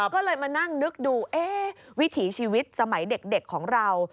ก็เลยมานั่งนึกดูวิถีชีวิตสมัยเด็กของเรา